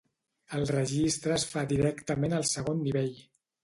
El registre es fa directament al segon nivell.